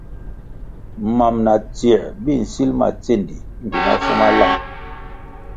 Mam na tsier bi nsíl ma tsendi mbpi mafu ma láng.